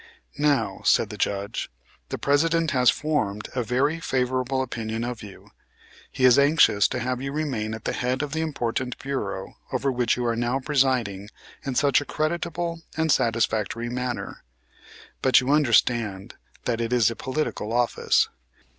"Now," said the Judge, "the President has formed a very favorable opinion of you. He is anxious to have you remain at the head of the important bureau over which you are now presiding in such a creditable and satisfactory manner. But you understand that it is a political office.